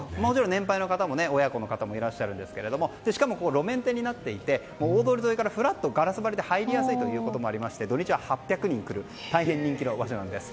年配の方も、親子の方もいらっしゃるんですけどもしかも路面店になっていて大通り沿いからフラッとガラス張りで入りやすいこともあって土日は８００人来る大変人気の場所なんです。